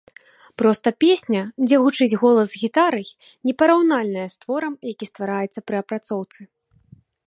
Проста песня, дзе гучыць голас з гітарай, непараўнальная з творам, які ствараецца пры апрацоўцы.